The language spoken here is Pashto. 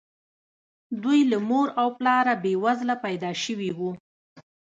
دوی له مور او پلاره بې وزله پيدا شوي وو.